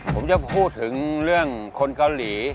ผมจะพูดถึงเรื่องคนเกาหลี